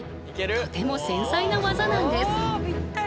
とても繊細な技なんです。